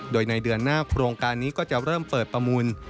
โดยในเดือนหน้าโครงการนี้ก็จะเริ่มเปิดประมูล